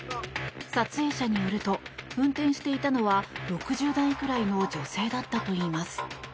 撮影者によると運転していたのは６０代くらいの女性だったといいます。